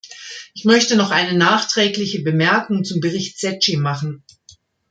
Ich möchte noch eine nachträgliche Bemerkung zum Bericht Secchi machen.